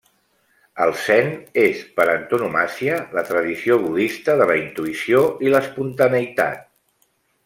El zen és, per antonomàsia, la tradició budista de la intuïció i l'espontaneïtat.